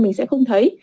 mình sẽ không thấy